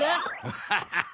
ワハハハ！